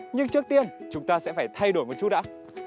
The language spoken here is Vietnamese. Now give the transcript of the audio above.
nhưng trước tiên chúng ta sẽ phải thay đổi một chút đã